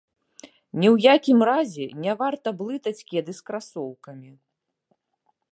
Ні ў якім разе не варта блытаць кеды з красоўкамі.